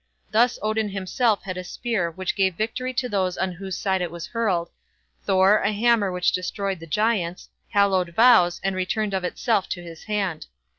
Thus, Odin himself had a spear which gave victory to those on whose side it was hurled; Thor, a hammer which destroyed the Giants, hallowed vows, and returned of itself to his hand.